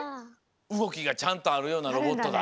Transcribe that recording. うごきがちゃんとあるようなロボットだ。